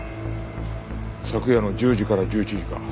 昨夜の１０時から１１時か。